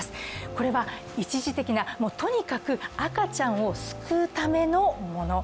これは一時的なとにかく赤ちゃんを救うためのもの。